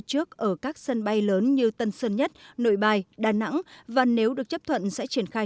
trước ở các sân bay lớn như tân sơn nhất nội bài đà nẵng và nếu được chấp thuận sẽ triển khai